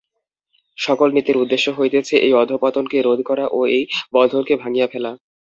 সকল নীতির উদ্দেশ্য হইতেছে এই অধঃপতনকে রোধ করা ও এই বন্ধনকে ভাঙিয়া ফেলা।